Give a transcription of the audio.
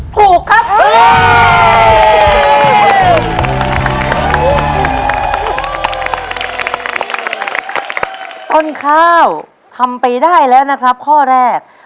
ต้นข้าวทำไปได้แล้วนะครับข้อแรก